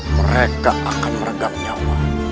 mereka akan meregang nyawa